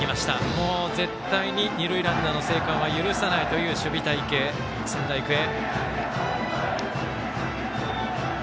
もう絶対に二塁ランナーの生還は許さないという守備隊形の仙台育英。